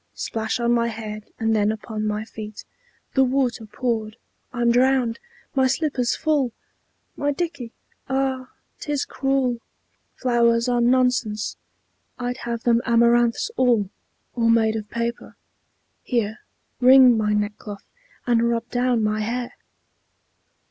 Splash on my head, and then upon my feet, The water poured; I'm drowned! my slipper's full! My dickey ah! 't is cruel! Flowers are nonsense! I'd have them amaranths all, or made of paper. Here, wring my neckcloth, and rub down my hair!